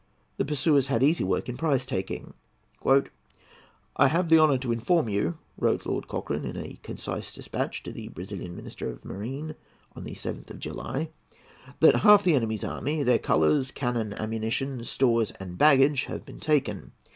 The pursuers had easy work in prize taking. "I have the honour to inform you," wrote Lord Cochrane in a concise despatch to the Brazilian Minister of Marine, on the 7th of July, "that half the enemy's army, their colours, cannon, ammunition, stores, and baggage have been taken.